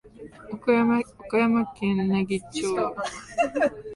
岡山県奈義町